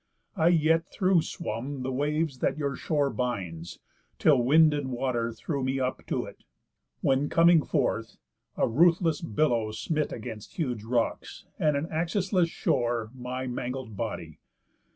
I yet through swum the waves that your shore binds, Till wind and water threw me up to it; When, coming forth, a ruthless billow smit Against huge rocks, and an accessless shore, My mangl'd body.